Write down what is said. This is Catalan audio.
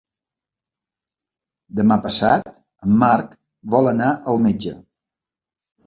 Demà passat en Marc vol anar al metge.